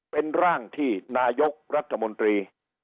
เป็นร่างที่นายกรัฐมนตรี